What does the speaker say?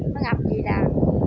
nó ngập gì đấy